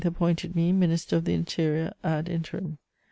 appointed me Minister of the Interior _ad interim.